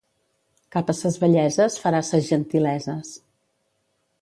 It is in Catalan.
Cap a ses velleses farà ses gentileses.